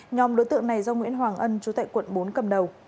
nhóm đối tượng này do nguyễn hoàng ân chú tại quận bốn cầm đầu